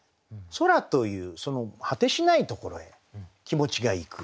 空という果てしないところへ気持ちがいく。